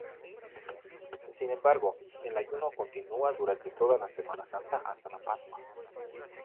Sin embargo el ayuno continúa durante toda la Semana Santa hasta la Pascua.